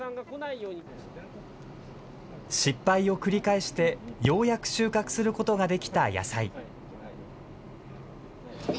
失敗を繰り返して、ようやく収穫することができた野菜。